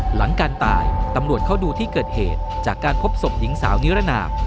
หลังการตายตำรวจเข้าดูที่เกิดเหตุจากการพบศพหญิงสาวนิรนาม